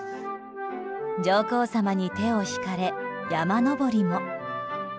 上皇さまに手を引かれ山登りも。